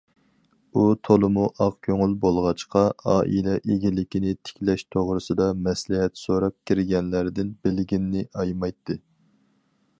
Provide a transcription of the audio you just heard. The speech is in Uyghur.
ئۇ تولىمۇ ئاق كۆڭۈل بولغاچقا، ئائىلە ئىگىلىكىنى تىكلەش توغرىسىدا مەسلىھەت سوراپ كىرگەنلەردىن بىلگىنىنى ئايىمايتتى.